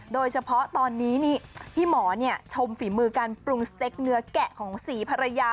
โดยเฉพาะตอนนี้พี่หมอชมฝีมือการปรุงสเต็กเนื้อแกะของสีภรรยา